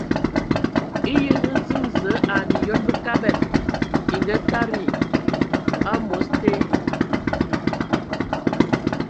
Eyǝ hm ziŋ zəǝ ai myɔŋ Bəkabad e ngatadi am̌os te.